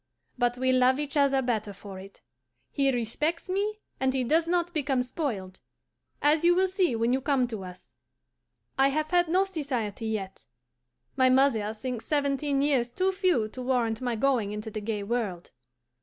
But we love each other better for it; he respects me, and he does not become spoiled, as you will see when you come to us. I have had no society yet. My mother thinks seventeen years too few to warrant my going into the gay world.